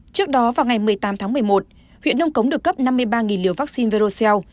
trước đó vào ngày một mươi tám tháng một mươi một huyện nông cống được cấp năm mươi ba liều vaccine verocel